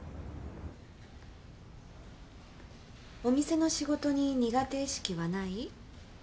お店の仕事に苦手意識はない？